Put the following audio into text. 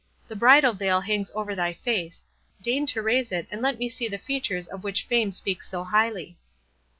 The bridal veil hangs over thy face; deign to raise it, and let me see the features of which fame speaks so highly."